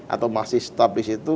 atau masih stabil disitu